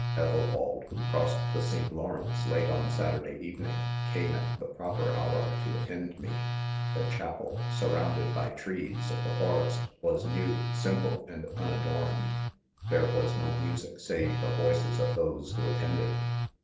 Ethelwald, who crossed the St. Lawrence late on Saturday evening, came at the proper hour, to attend me. * The chapel, surrounded by trees of the for est, was new, simple, and unadorned. There was no music save the voices of those who at tended.